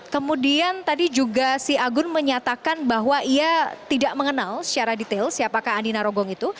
kemudian tadi juga si agun menyatakan bahwa ia tidak mengenal secara detail siapakah andina rogong itu